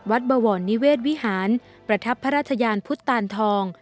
บวรนิเวศวิหารประทับพระราชยานพุทธตานทอง